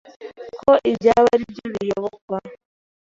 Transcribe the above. ko ibyabo ari byo biyobokwa